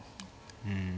うん。